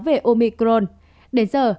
về omicron đến giờ